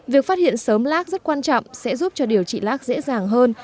việc phát hiện sớm lác rất quan trọng sẽ giúp cho điều trị lác dễ dàng hơn